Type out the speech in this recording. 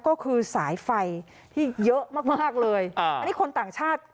ก็คือสายไฟที่เยอะมากมากเลยอันนี้คนต่างชาติ